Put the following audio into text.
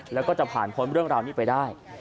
แล้วก็จะผ่านพ้นเรื่องราวนี้ไปได้